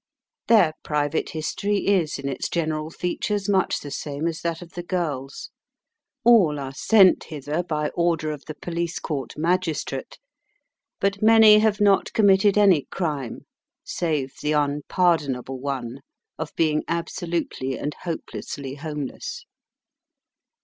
Their private history is, in its general features, much the same as that of the girls. All are sent hither by order of the police court magistrate, but many have not committed any crime save the unpardonable one of being absolutely and hopelessly homeless.